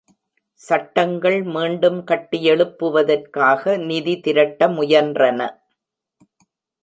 சட்டங்கள் மீண்டும் கட்டியெழுப்புவதற்காக நிதி திரட்ட முயன்றன.